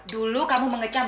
dulu kamu mengecewakan aku